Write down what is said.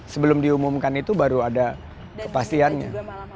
sebelum diumumkan itu baru ada kepastiannya